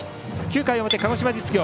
９回表、鹿児島実業。